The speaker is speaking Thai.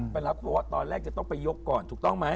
เป็นลักษณ์ว่าตอนแรกจะต้องไปยกก่อนถูกต้องไหม